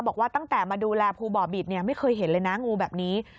บอกว่าตั้งแต่มาดูแลภูบ่อบิตไม่เคยเห็นเลยนะงูแบบนี้